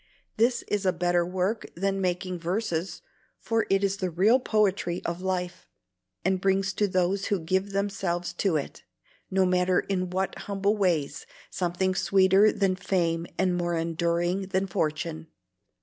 This is a better work than making verses, for it is the real poetry of life, and brings to those who give themselves to it, no matter in what humble ways, something sweeter than fame and more enduring than fortune."